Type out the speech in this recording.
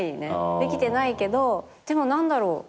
できてないけどでも何だろう。